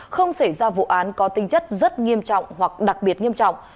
không xảy ra vụ án có tinh chất rất nghiêm trọng hoặc đặc biệt nghiêm trọng